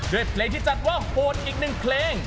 ด้วยเพลงที่จัดว่าโหดอีกหนึ่งเพลง